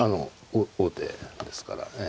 王手ですから。